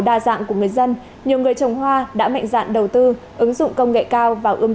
đa dạng của người dân nhiều người trồng hoa đã mạnh dạn đầu tư ứng dụng công nghệ cao vào ươm